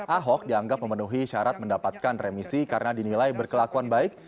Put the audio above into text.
ahok dianggap memenuhi syarat mendapatkan remisi karena dinilai berkelakuan baik